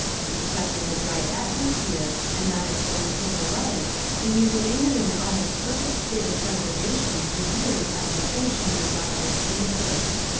If kept in a dry atmosphere and not exposed to the light, they may remain in an almost perfect state of preservation for years after finishing their doctor's thesis.